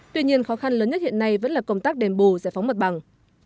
tuy nhiên khó khăn lớn nhất hiện nay vẫn là công tác đền bù giải phóng mặt bằng